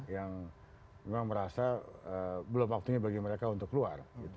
yang memang merasa belum waktunya bagi mereka untuk keluar